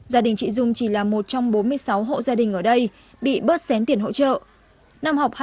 gia đình chị dung chỉ là một trong bốn mươi sáu hộ gia đình ở đây bị bớt xén tiền hỗ trợ